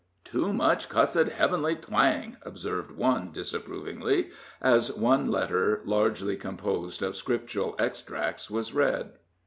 "Too much cussed heavenly twang," observed one, disapprovingly, as one letter largely composed of Scriptural extracts was read.